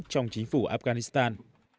trong chính phủ afghanistan